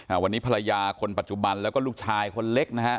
วันนี้ภรรยาคนปัจจุบันแล้วก็ลูกชายคนเล็กนะฮะ